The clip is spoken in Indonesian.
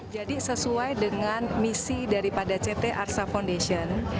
jadi sesuai dengan misi daripada ct arsa foundation